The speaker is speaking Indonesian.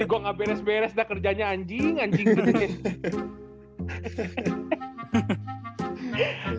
jadi gue gak beres beres dah kerjanya anjing anjing